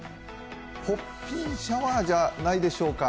ポッピングシャワーじゃないですか？